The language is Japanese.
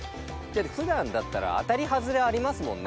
普段だったら当たり外れありますもんね。